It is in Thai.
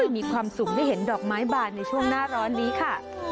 มีความสุขได้เห็นดอกไม้บานในช่วงหน้าร้อนนี้ค่ะ